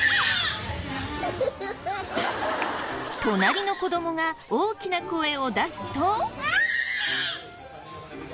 隣の子どもが大きな声を出すと。